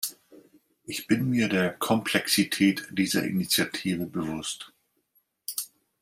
Ich bin mir der Komplexität dieser Initiative bewusst.